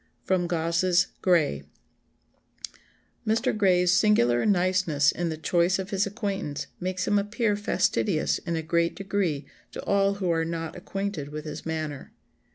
[Sidenote: Gosse's Gray.] "Mr. Gray's singular niceness in the choice of his acquaintance makes him appear fastidious in a great degree to all who are not acquainted with his manner.